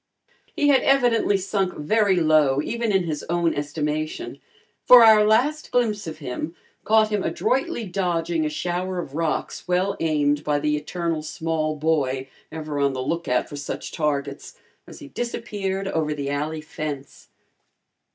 He had evidently sunk very low, even in his own estimation, for our last glimpse of him caught him adroitly dodging a shower of rocks well aimed by the eternal small boy, ever on the lookout for such targets, as he disappeared over the alley fence.